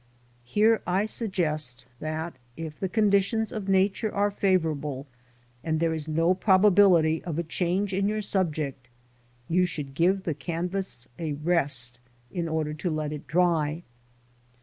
Here I suggest that, if the conditions of Nature are favourable, and there is no probability of a change in yoiir subject, you should give the canvas a rest in order to let it dry.